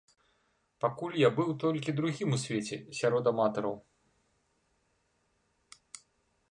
Пакуль я быў толькі другім у свеце сярод аматараў.